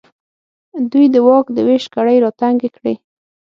دوی د واک د وېش کړۍ راتنګې کړې.